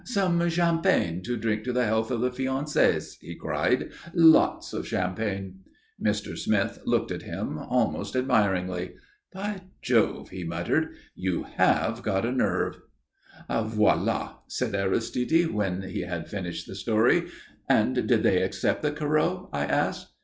"Some champagne to drink to the health of the fiancés," he cried. "Lots of champagne." Mr. Smith looked at him almost admiringly. "By Jove!" he muttered. "You have got a nerve." "Voilà!" said Aristide, when he had finished the story. "And did they accept the Corot?" I asked.